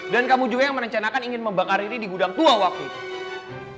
dan kamu juga yang merencanakan ingin membakar riri di gudang tua waktu itu